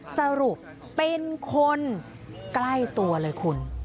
สรุปเป็นคนใกล้ตัวเลยคุณ